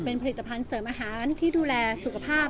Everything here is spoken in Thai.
เป็นผลิตภัณฑ์เสริมอาหารที่ดูแลสุขภาพ